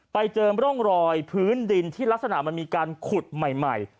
ไปเจอร่องรอยพื้นดินที่ลักษณะมันมีการขุดใหม่